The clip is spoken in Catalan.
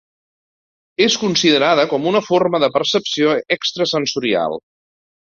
És considerada com una forma de percepció extrasensorial.